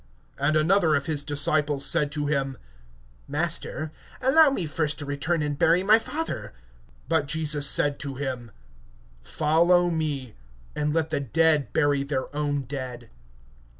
(21)And another of his disciples said to him: Lord, suffer me first to go and bury my father. (22)But Jesus said to him: Follow me, and let the dead bury their own dead.